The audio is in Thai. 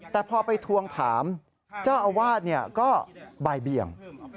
แต่พอไปทวงถามเจ้าอาวาสก็บ่ายเบียง